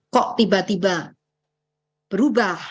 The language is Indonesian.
kok tiba tiba berubah